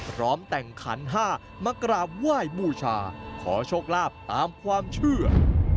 พร้อมแต่งขันห้ามากราบไหว้บูชาขอโชคลาภตามความเชื่อ